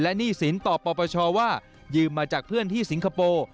หนี้สินต่อปปชว่ายืมมาจากเพื่อนที่สิงคโปร์